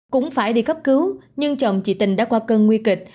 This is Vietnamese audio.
cũng phải đi cấp cứu nhưng chồng chị tình đã qua cơn nguy kịch